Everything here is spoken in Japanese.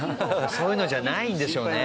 そういうのじゃないんでしょうね。